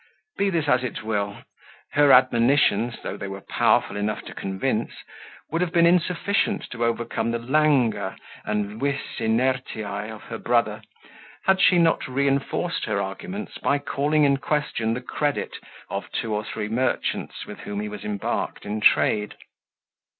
Be this as it will, her admonitions, though they were powerful enough to convince, would have been insufficient to overcome the languor and vis inertiae of her brother, had she not reinforced her arguments, by calling in question the credit of two or three merchants, with whom he was embarked in trade.